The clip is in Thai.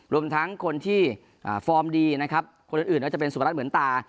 รวมทั้งคนที่ฟอร์มดีนะครับคนอื่นก็จะเป็นสุพนัทเหมือนตา